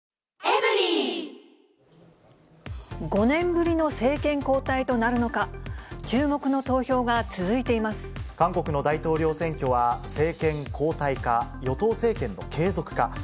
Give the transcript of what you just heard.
５年ぶりの政権交代となるの韓国の大統領選挙は、政権交代か、与党政権の継続か。